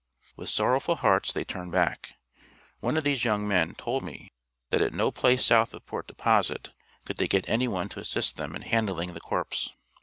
With sorrowful hearts they turned back; (one of these young men told me that at no place south of Port Deposit could they get any one to assist them in handling the corpse).